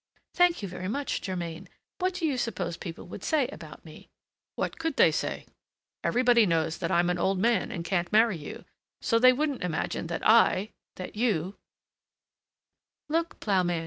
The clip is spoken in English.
"Thank you very much, Germain. What do you suppose people would say about me?" "What could they say? everybody knows that I'm an old man and can't marry you. So they wouldn't imagine that I that you " "Look, ploughman!